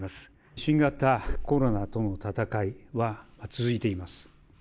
新型コロナとの闘いは続いています。